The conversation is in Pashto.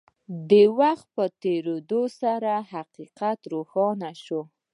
د وخت په تېرېدو سره حقيقت روښانه شو.